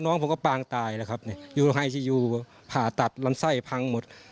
น้องผมก็ปางตายยูโรคไอซี่ยูถ่าตัดลำไส้พังหมด